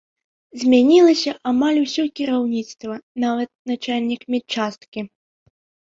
Змянілася амаль усё кіраўніцтва, нават начальнік медчасткі.